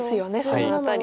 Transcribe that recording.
その辺り。